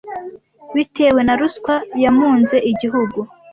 bitewe na ruswa ya munze igihugu